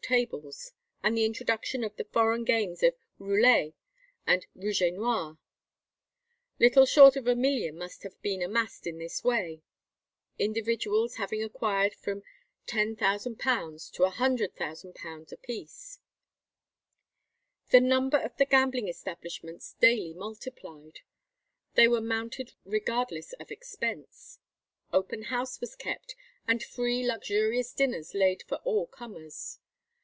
tables, and the introduction of the "foreign games of roulet and rouge et noir. Little short of a million must have been amassed in this way," individuals having acquired from £10,000 to £100,000 apiece. The number of the gambling establishments daily multiplied. They were mounted regardless of expense. Open house was kept, and free luxurious dinners laid for all comers.